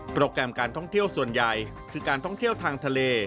แกรมการท่องเที่ยวส่วนใหญ่คือการท่องเที่ยวทางทะเล